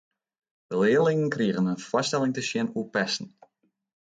De learlingen krigen in foarstelling te sjen oer pesten.